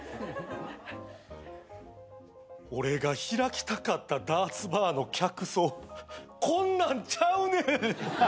俺が開きたかったダーツバーの客層こんなんちゃうねん！